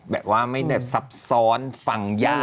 แบบว่าไม่สับซ้อนฟังหย่า